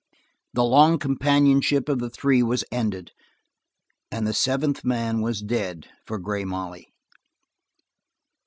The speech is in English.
The long companionship of the three was ended, and the seventh man was dead for Grey Molly.